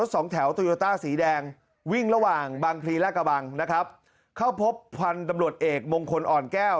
สุดครอบควรภันธ์ตำรวจเอกมงคลอ่อนแก้ว